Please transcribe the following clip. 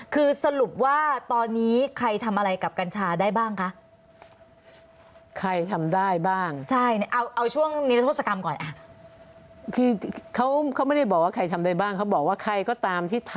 คือสรุปว่าตอนนี้ใครทำอะไรกับกัญชาได้บ้างคะ